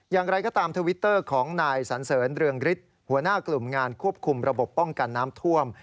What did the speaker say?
อย่างไรก็ตามทวิตเตอร์ของนายสันเสริญเรืองฤทธิ์หัวหน้ากลุ่มงานควบคุมระบบป้องกันน้ำท่วม